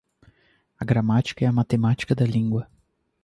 A gramática é a matemática da língua